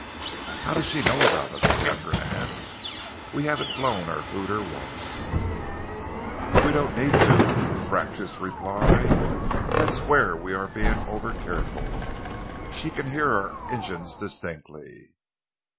"How does she know about us?" Katharine asked. "We haven't blown our hooter once." "We don't need to," was the fractious reply. "That's where we are being over careful. She can hear our engines distinctly."